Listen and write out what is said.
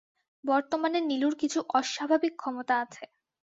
বর্তমানে নীলুর কিছু অস্বাভাবিক ক্ষমতা আছে।